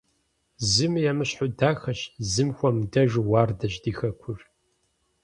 Зыми емыщхьу дахэщ, зым хуэмыдэжу уардэщ ди хэкур.